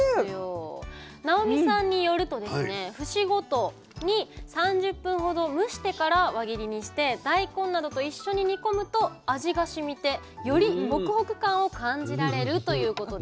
直美さんによるとですね節ごとに３０分ほど蒸してから輪切りにして大根などと一緒に煮込むと味がしみてよりホクホク感を感じられるということですね。